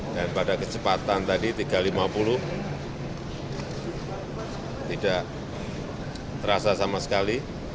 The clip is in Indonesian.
dan pada kecepatan tadi tiga ratus lima puluh km per jam tidak terasa sama sekali